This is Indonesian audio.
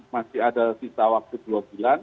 masih ada sisa waktu dua puluh sembilan